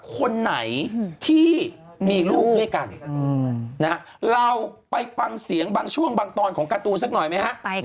คนไหนที่มีลูกด้วยกันเราไปฟังเสียงบางช่วงบางตอนของการ์ตูนสักหน่อยไหมฮะ